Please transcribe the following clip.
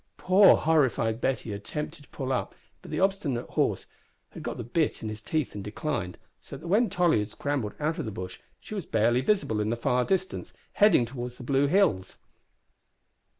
Poor horrified Betty attempted to pull up, but the obstinate horse had got the bit in his teeth and declined, so that when Tolly had scrambled out of the bush she was barely visible in the far distance, heading towards the blue hills.